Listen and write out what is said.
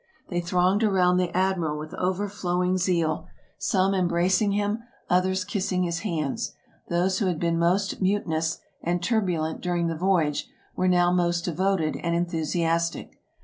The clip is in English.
They thronged around the admiral with overflowing zeal, some embracing him, others kissing his hands. Those who had been most mutinous and turbulent during the voyage, were now most devoted and enthusiastic.